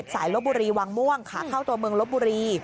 ลบบุรีวังม่วงขาเข้าตัวเมืองลบบุรี